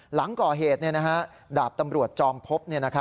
หลังก่อเหตุดาบตำรวจจอมพบ